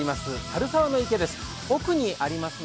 猿沢の池です。